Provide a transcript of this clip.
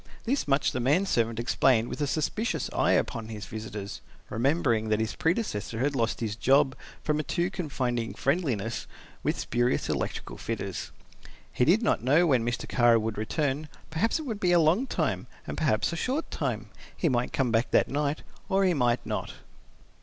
This much the man servant explained with a suspicious eye upon his visitors, remembering that his predecessor had lost his job from a too confiding friendliness with spurious electric fitters. He did not know when Mr. Kara would return, perhaps it would be a long time and perhaps a short time. He might come back that night or he might not.